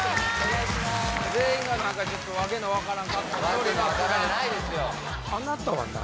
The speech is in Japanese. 全員が何かちょっと訳の分からん格好訳の分からんじゃないですよ